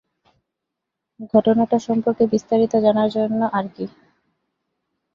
ঘটনাটা সম্পর্কে বিস্তারিত জানার জন্য আরকি।